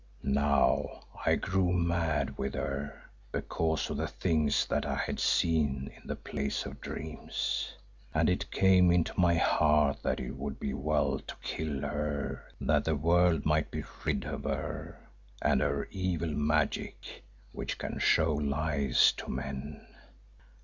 "Now I grew mad with her because of the things that I had seen in the Place of Dreams, and it came into my heart that it would be well to kill her that the world might be rid of her and her evil magic which can show lies to men.